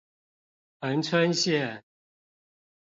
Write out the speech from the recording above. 恆春線